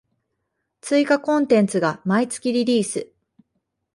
追加コンテンツが毎月リリース